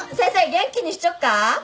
元気にしちょっか？